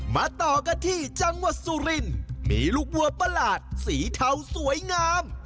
มาต่อกันที่จังหวัดสุรินมีลูกวัวประหลาดสีเทาสวยงาม